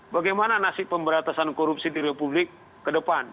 bagaimana nasib pemberantasan korupsi di republik ke depan